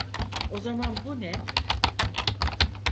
O zaman bu ne?